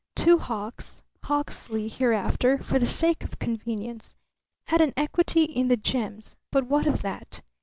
Two Hawks Hawksley hereafter, for the sake of convenience had an equity in the gems; but what of that?